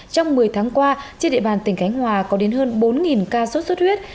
trong một mươi tháng qua trên địa bàn tỉnh khánh hòa có đến hơn bốn ca sốt xuất huyết